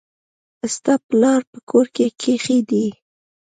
ستا پلار په کور کښي دئ.